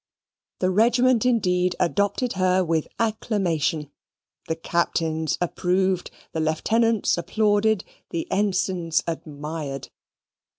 The regiment indeed adopted her with acclamation. The Captains approved, the Lieutenants applauded, the Ensigns admired.